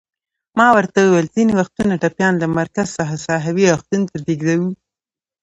ما ورته وویل: ځینې وختونه ټپیان له مرکز څخه ساحوي روغتون ته لېږدوو.